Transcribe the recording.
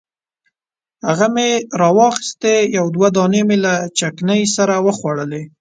هغه مې راواخیستې یو دوه دانې مې له چکني سره وخوړلې.